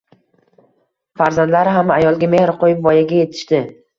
Farzandlar ham ayolga mehr qoʻyib, voyaga yetishdi